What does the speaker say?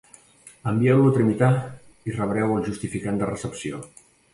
Envieu-lo a tramitar i rebreu el justificant de recepció.